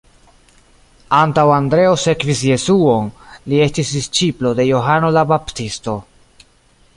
Antaŭ Andreo sekvis Jesuon, li estis disĉiplo de Johano la Baptisto.